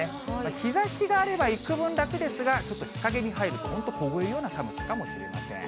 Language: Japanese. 日ざしがあれば幾分楽ですが、ちょっと日陰に入ると凍えるような寒さかもしれません。